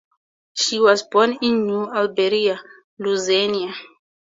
He was born in New Iberia, Louisiana.